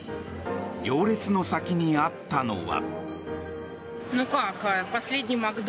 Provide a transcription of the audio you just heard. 行列の先にあったのは。